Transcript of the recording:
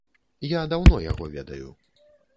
Я даўно яго ведаю.